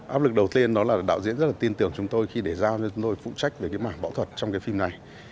áp lực đầu tiên đó là đạo diễn rất là tin tưởng chúng tôi khi để giao cho chúng tôi phụ trách về cái mảng võ thuật trong cái phim này